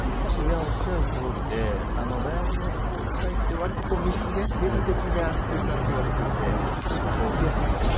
いや、おっしゃるとおりで、大学のスポーツ界ってわりと密室で、閉鎖的な空間といわれていて、こういうことが起きやすいんですね。